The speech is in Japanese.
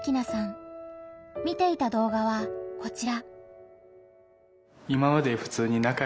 見ていた動画はこちら。